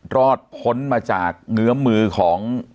รอดพ้นมาจากเงื้อมือของ